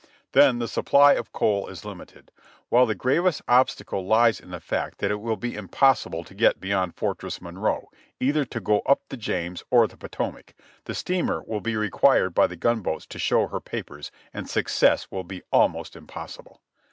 Then the supply of coal is limited, while the gravest obstacle lays in the fact that it will be impossible to get beyond Fortress Monroe, either to go up the James or the Potomac. The steamer will be required by the gunboats to show her papers, and success will be almost impossible.